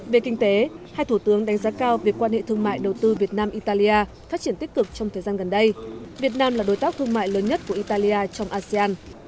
về kinh tế hai thủ tướng đánh giá cao việc quan hệ thương mại đầu tư việt nam italia phát triển tích cực trong thời gian gần đây việt nam là đối tác thương mại lớn nhất của italia trong asean